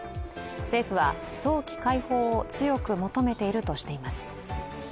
政府は早期解放を強く求めているとしています。